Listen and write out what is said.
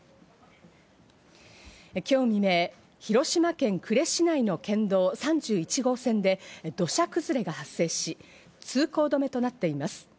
今日未明、広島県呉市内の県道３１号線で、土砂崩れが発生し、通行止めとなっています。